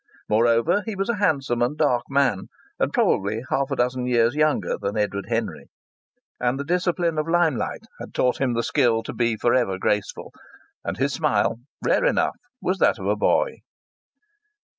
Moreover, he was a handsome and a dark man, and probably half a dozen years younger than Edward Henry. And the discipline of lime light had taught him the skill to be forever graceful. And his smile, rare enough, was that of a boy.